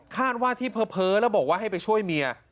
ว่าที่เพ้อแล้วบอกว่าให้ไปช่วยเมีย